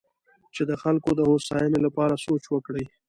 چې د خلکو د هوساینې لپاره سوچ وکړي.